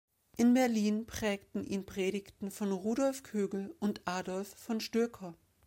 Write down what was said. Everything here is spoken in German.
In Berlin prägten ihn Predigten von Rudolf Kögel und Adolf von Stoecker.